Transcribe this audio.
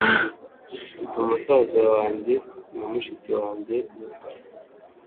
Mfite musaza wanjye na mushiki wanjye muto.